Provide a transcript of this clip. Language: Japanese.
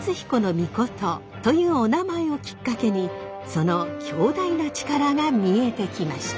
命というおなまえをきっかけにその強大な力が見えてきました。